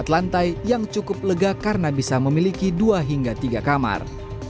empat lantai yang cukup lega karena bisa memiliki dua hingga tiga kamar